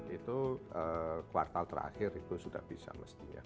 itu kuartal terakhir itu sudah bisa mestinya